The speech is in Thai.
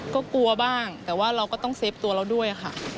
ก็กลัวบ้างแต่ว่าเราก็ต้องเซฟตัวเราด้วยค่ะ